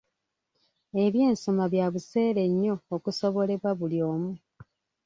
Eby'ensoma bya buseere nnyo okusobolebwa buli omu.